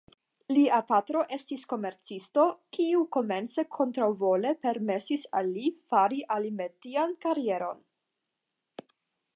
Lia patro estis komercisto kiu komence kontraŭvole permesis al li fari alimetian karieron.